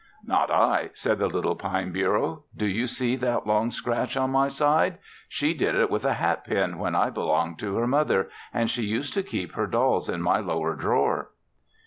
"Not I," said the little pine bureau. "Do you see that long scratch on my side? She did it with a hat pin when I belonged to her mother, and she used to keep her dolls in my lower drawer."